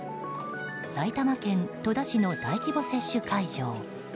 埼玉県戸田市の大規模接種会場。